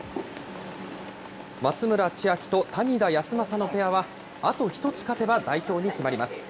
松村千秋と谷田康真のペアは、あと１つ勝てば代表に決まります。